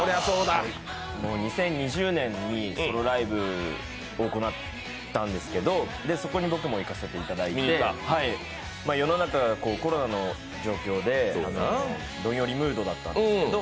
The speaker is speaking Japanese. ２０２０年にソロライブを行ったんですけど、そこに僕も行かせていただいて、世の中、コロナの状況でどんよりムードだったんですけど、